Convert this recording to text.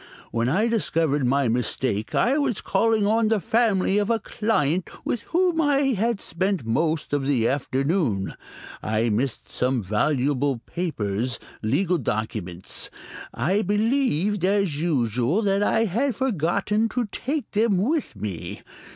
When I discovered my mistake I was calling on the family of a client with whom I had spent most of the afternoon. I missed some valuable papers, legal documents. I believed as usual that I had forgotten to take them with me.